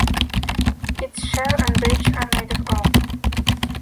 Its shell and bridge are made of oak.